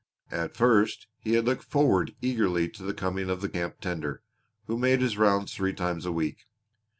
At first he had looked forward eagerly to the coming of the camp tender, who made his rounds three times a week.